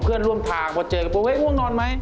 เพื่อนร่วมทางพอเจอก็บอกว่าอ้วงนอนไหม